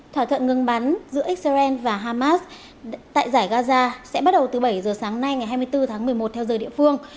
thỏa thuận ngừng bắn giữa israel và hamas tại giải gaza sẽ bắt đầu từ bảy giờ sáng nay ngày hai mươi bốn tháng một mươi một theo giờ địa phương